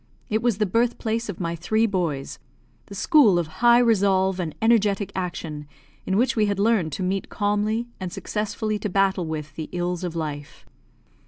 It was the birthplace of my three boys, the school of high resolve and energetic action in which we had learned to meet calmly, and successfully to battle with the ills of life.